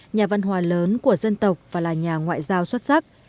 nhà văn hòa lớn của dân tộc và là nhà ngoại giao xuất sắc